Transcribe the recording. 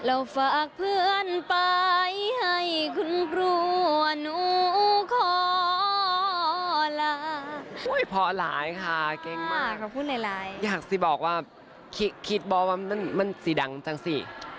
โอ้ยพอหลายค่ะเกรงมากอยากสิบอกว่าคิดบอกว่ามันสีดังจังสิ